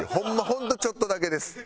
本当ちょっとだけです。